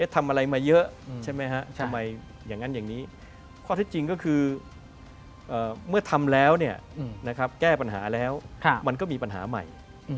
ทำอะไรมาเยอะใช่ไหมฮะทำไมอย่างนั้นอย่างนี้ข้อเท็จจริงก็คือเมื่อทำแล้วแก้ปัญหาแล้วมันก็มีปัญหาใหม่